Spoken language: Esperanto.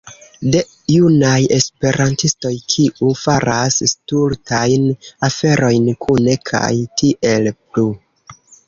De junaj Esperantistoj kiu faras stultajn aferojn kune kaj tiel plu